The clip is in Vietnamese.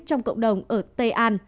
trong cộng đồng ở tây an